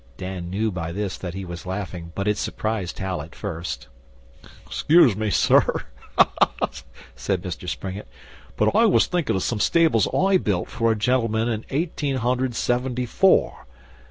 Dan knew by this that he was laughing, but it surprised Hal at first. 'Excuse me, sir,' said Mr Springett, 'but I was thinkin' of some stables I built for a gentleman in Eighteen hundred Seventy four.